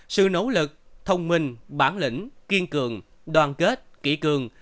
sự nỗ lực thông minh bản lĩnh kiên cường đoàn kết kỷ cường